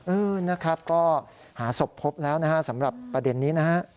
เออนะครับก็หาศพพบแล้วนะฮะสำหรับประเด็นนี้นะฮะ